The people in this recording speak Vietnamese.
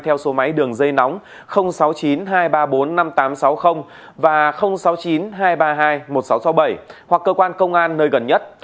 theo số máy đường dây nóng sáu mươi chín hai trăm ba mươi bốn năm nghìn tám trăm sáu mươi và sáu mươi chín hai trăm ba mươi hai một nghìn sáu trăm sáu mươi bảy hoặc cơ quan công an nơi gần nhất